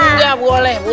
nggak boleh bu